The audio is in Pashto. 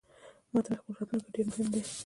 ماته مې خپل راتلونکې ډیرمهم دی